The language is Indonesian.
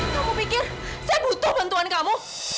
kamu pikir saya butuh bantuan kamu